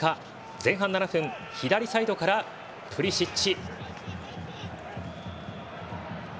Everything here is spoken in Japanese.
前半７分左サイドからプリシッチ。